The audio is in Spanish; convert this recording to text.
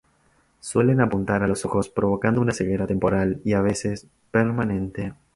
Suelen apuntar a los ojos provocando una ceguera temporal, y a veces permanente.